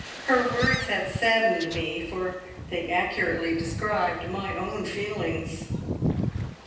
Her words had saddened me, for they accurately described my own feelings.